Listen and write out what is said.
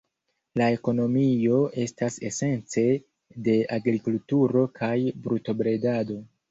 La ekonomio estas esence de agrikulturo kaj brutobredado.